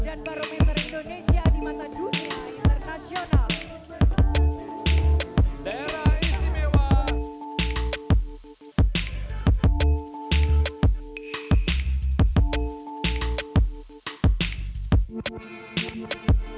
dan baru member indonesia di mata dunia internasional